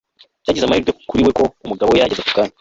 byagize amahirwe kuri we ko umugabo we yahageze muri ako kanya